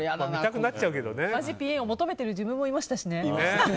まじぴえんを求めてる自分もいましたしね。